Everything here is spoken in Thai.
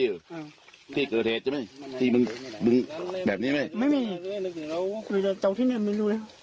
อยู่ต้านลากัน